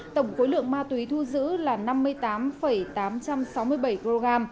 tổng khối lượng ma túy thu giữ là năm mươi tám tám trăm sáu mươi bảy kg